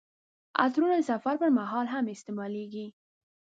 عطرونه د سفر پر مهال هم استعمالیږي.